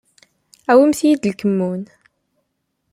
Awimt-iyi-d lkemmun.